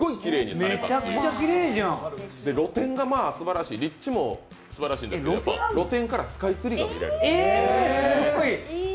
それで露店がすばらしい、立地もすばらしいんですけど、露天からスカイツリーが見られる。